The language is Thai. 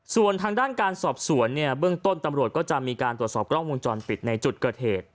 ส่วนทางด้านการสอบสวนเนี่ยเบื้องต้นตำรวจก็จะมีการตรวจสอบกล้องวงจรปิดในจุดเกิดเหตุ